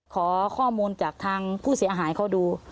ขอข้อมูลจากทางผู้เสียหายเขาดู